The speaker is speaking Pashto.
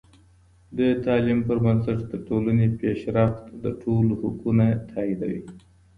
د تعلیم پر بنسټ د ټولنې پیشرفت د ټولو حقونه تاییدوي.